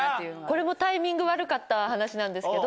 これもタイミング悪かった話なんですけど。